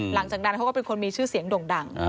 หลังจากนั้นเขาก็เป็นคนมีชื่อเสียงด่งดัง